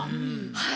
はい。